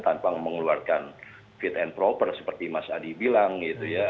tanpa mengeluarkan fit and proper seperti mas adi bilang gitu ya